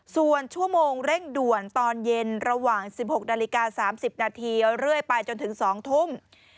ส่วนชั่วโมงเร่งด่วนตอนเย็นระหว่าง๑๖นาฬิกา๓๐นาทีเรื่อยไปจนถึง๒ทุ่ม